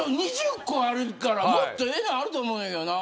２０個あるからもっとええのあると思うけどな。